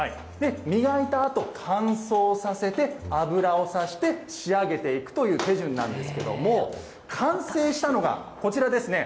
磨いたあと、乾燥させて、油をさして、仕上げていくという手順なんですけども、完成したのがこちらですね。